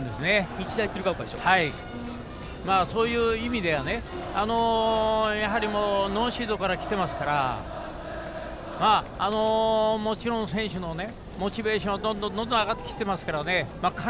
日大鶴ヶ丘、そういう意味ではやはり、ノーシードからきていますからもちろん選手のモチベーションどんどん上がってきていますからね。